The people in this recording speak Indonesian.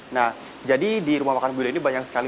nah jadi di rumah makan buddha ini banyak sekali